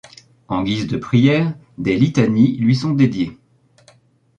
En guise de prière, des litanies lui sont dédiées.